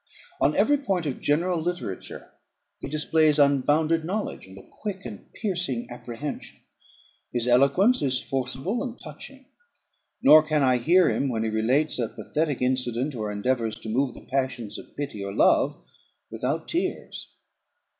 On every point of general literature he displays unbounded knowledge, and a quick and piercing apprehension. His eloquence is forcible and touching; nor can I hear him, when he relates a pathetic incident, or endeavours to move the passions of pity or love, without tears.